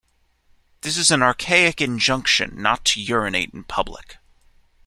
This is an archaic injunction not to urinate in public.